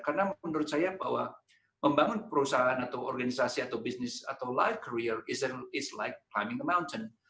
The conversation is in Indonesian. karena menurut saya bahwa membangun perusahaan atau organisasi atau bisnis atau life career is like climbing a mountain